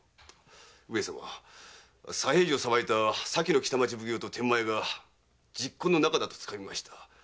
上様左平次を裁いたさきの北町奉行と天満屋が昵懇の仲だと掴みました。